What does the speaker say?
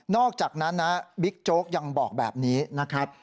อกจากนั้นนะบิ๊กโจ๊กยังบอกแบบนี้นะครับ